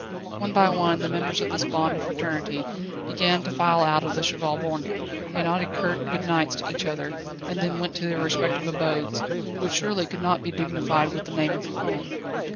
One by one the members of this bond of Fraternity began to file out of the Cheval Borgne. They nodded curt good nights to each other, and then went to their respective abodes, which surely could not be dignified with the name of home.